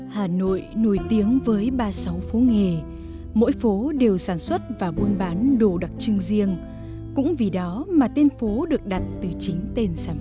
hà nội nổi tiếng với ba mươi sáu phút